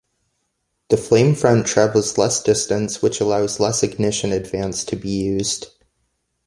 The flame front travels less distance which allows less ignition advance to be used.